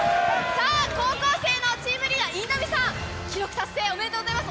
さあ、高校生のチームリーダー、印南さん、記録達成、おめでとうございます。